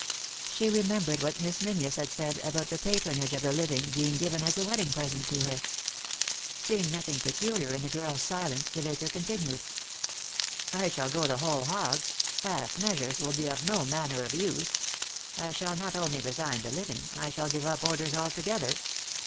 She remembered what Miss Menzies had said about the patronage of the living being given as a wedding present to her. Seeing nothing peculiar in the girl's silence the vicar continued. o 209 3i 9 iii^d by Google THE INTERRUPTED KISS " I shall go the whole hog ; half measures will be of no maimer of use. I shall not only resign the living, I shall give up Orders altogether.